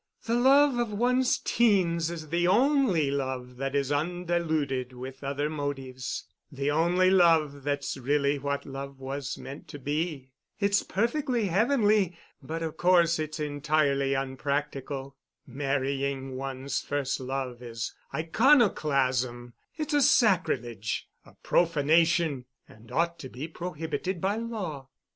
The love of one's teens is the only love that is undiluted with other motives—the only love that's really what love was meant to be. It's perfectly heavenly, but of course it's entirely unpractical. Marrying one's first love is iconoclasm—it's a sacrilege—a profanation—and ought to be prohibited by law.